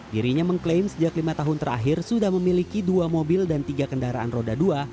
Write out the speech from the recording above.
dirinya mengklaim sejak lima tahun terakhir sudah memiliki dua mobil dan tiga kendaraan roda dua